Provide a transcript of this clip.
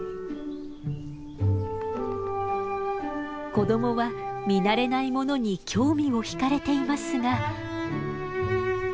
子供は見慣れないものに興味を引かれていますが。